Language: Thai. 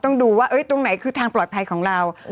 ต้องดูว่าตรงไหนคือทางปลอดภัยของเรา